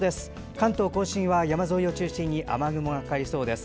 関東・甲信は山沿いを中心に雨雲がかかりそうです。